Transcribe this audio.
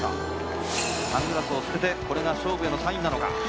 サングラスを捨ててこれが勝負へのサインなのか？